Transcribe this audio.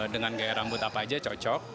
dengan gaya rambut apa aja cocok